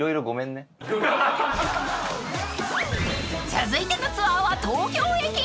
［続いてのツアーは東京駅！